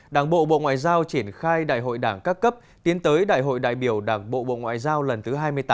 đảng bộ bộ ngoại giao triển khai đại hội đảng các cấp tiến tới đại hội đại biểu đảng bộ bộ ngoại giao lần thứ hai mươi tám